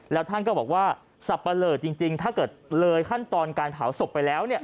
แล้วท่านก็บอกว่าสับปะเลอจริงถ้าเกิดเลยขั้นตอนการเผาศพไปแล้ว